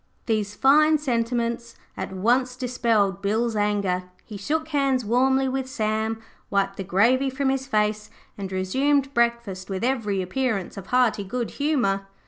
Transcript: These fine sentiments at once dispelled Bill's anger. He shook hands warmly with Sam, wiped the gravy from his face, and resumed breakfast with every appearance of hearty good humour.